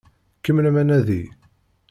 Kemmlem anadi!